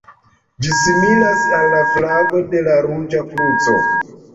Ĝi similas al la flago de la Ruĝa Kruco.